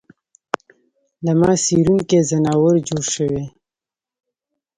له ما څېرونکی ځناور جوړ شوی